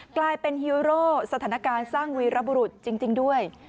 กลายเป็นฮีโร่สถานการณ์สร้างวีรบุรุษจริงด้วย